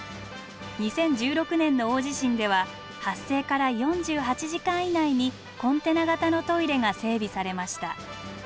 ２０１６年の大地震では発生から４８時間以内にコンテナ型のトイレが整備されました。